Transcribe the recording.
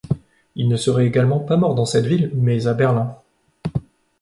Il ne serait également pas mort dans cette ville, mais à Berlin.